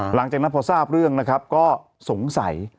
หลังจากนั้นพอทราบเรื่องนะครับก็สงสัย